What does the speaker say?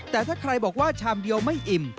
แต่ถ้าใครบอกว่าชามเดียวไม่อิ่ม